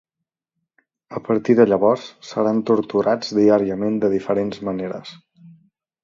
A partir de llavors seran torturats diàriament de diferents maneres.